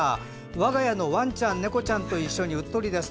我が家のワンちゃん猫ちゃんと一緒にうっとりです。